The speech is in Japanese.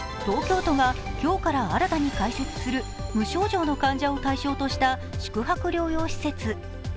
東京都が今日から新たに開設する無症状の患者を対象とした宿泊療養施設。